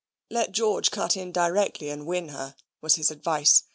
"Let George cut in directly and win her," was his advice.